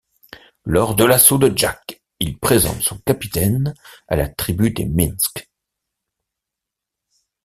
Lors de l'assaut de Jack, il présente son capitaine à la tribu des Minks.